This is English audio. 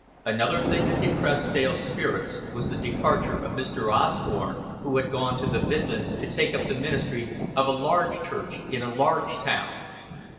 Another thing that depressed Dale's spirits was the departure of Mr. Osborn, who had gone to the Midlands to take up the ministry of a large church in a large town.